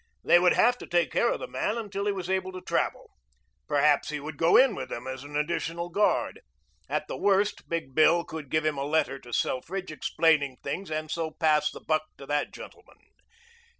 They would have to take care of the man until he was able to travel. Perhaps he would go in with them as an additional guard. At the worst Big Bill could give him a letter to Selfridge explaining things and so pass the buck to that gentleman.